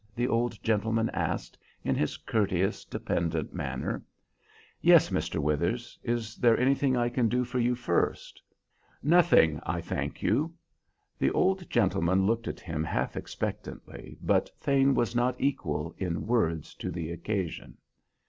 the old gentleman asked, in his courteous, dependent manner. "Yes, Mr. Withers. Is there anything I can do for you first?" "Nothing, I thank you." The old gentleman looked at him half expectantly, but Thane was not equal, in words, to the occasion.